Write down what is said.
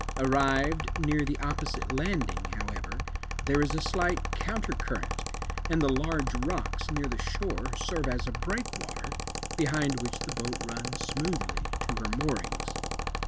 Arrived near the opposite landing, however, there is a slight counter current, and the large rocks near the shore serve as a breakwater, behind which the boat runs smoothly to her moorings.